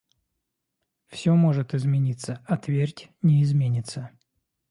Всё может измениться, а твердь не изменится.